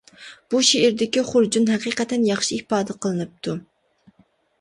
بۇ شېئىردىكى خۇرجۇن ھەقىقەتەن ياخشى ئىپادە قىلىنىپتۇ.